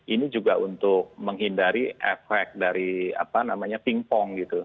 ini juga untuk menghindari efek dari ping pong gitu